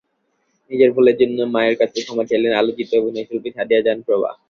নিজের ভুলের জন্য মায়ের কাছে ক্ষমা চাইলেন আলোচিত অভিনয়শিল্পী সাদিয়া জাহান প্রভা।